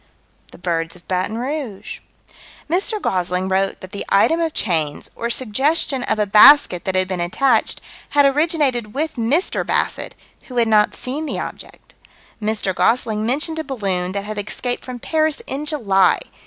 The birds of Baton Rouge. Mr. Gosling wrote that the item of chains, or suggestion of a basket that had been attached, had originated with Mr. Bassett, who had not seen the object. Mr. Gosling mentioned a balloon that had escaped from Paris in July.